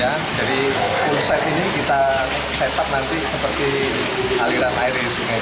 jadi konsep ini kita set up nanti seperti aliran air di sungai